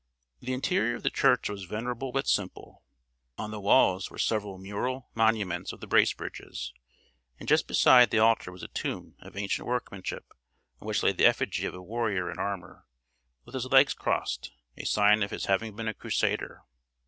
The interior of the church was venerable but simple; on the walls were several mural monuments of the Bracebridges, and just beside the altar was a tomb of ancient workmanship, on which lay the effigy of a warrior in armour, with his legs crossed, a sign of his having been a crusader.